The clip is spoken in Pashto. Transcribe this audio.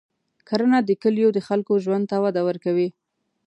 کرنه د کلیو د خلکو ژوند ته وده ورکوي.